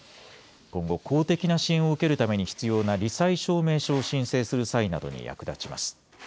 今後、公的な支援を受けるために必要なり災証明書を申請する際などに役立ちます。